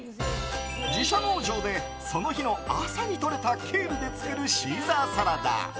自社農場で、その日の朝とれたケールで作るシーザーサラダ。